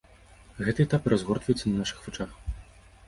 Гэты этап і разгортваецца на нашых вачах.